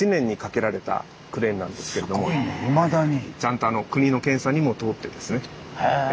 すごいねいまだに。